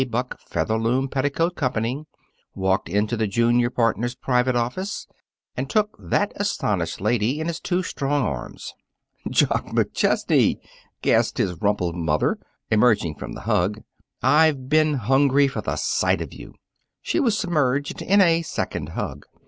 Buck Featherloom Petticoat Company, walked into the junior partner's private office, and took that astonished lady in his two strong arms. "Jock McChesney!" gasped his rumpled mother, emerging from the hug. "I've been hungry for a sight of you!" She was submerged in a second hug.